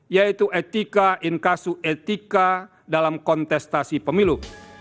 yaitu etika inkasu etika dalam kontestasi pemilu